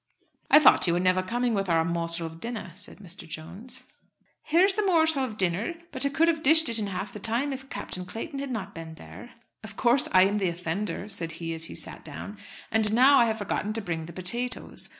"I thought you were never coming with our morsel of dinner," said Mr. Jones. "Here is the morsel of dinner; but I could have dished it in half the time if Captain Clayton had not been there." "Of course I am the offender," said he, as he sat down. "And now I have forgotten to bring the potatoes."